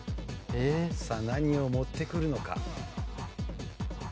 さあ何を持ってくるのか？